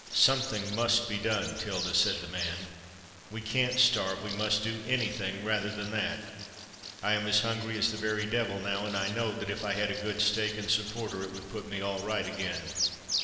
"Something must be done, Tilda," said the man. "We can't starve—we must do any thing rather than that. I am as hungry as the very devil now—and I know that if I had a good steak and some porter, it would put me all right again."